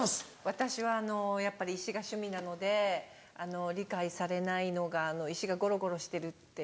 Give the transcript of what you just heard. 私はやっぱり石が趣味なので理解されないのが石がごろごろしてるっていう。